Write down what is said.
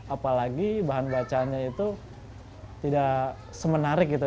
apalagi bahan bacanya itu tidak semenarik gitu